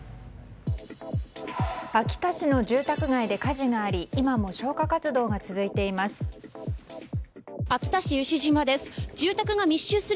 秋田市の住宅街で火事があり今も、消火活動が続いています。